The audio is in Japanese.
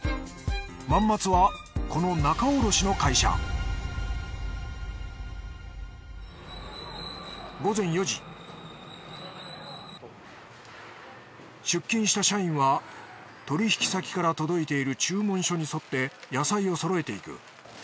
万松はこの仲卸の会社出勤した社員は取引先から届いている注文書に沿って野菜をそろえていく。